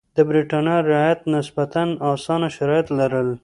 د برېټانیا رعیت نسبتا اسانه شرایط لرل.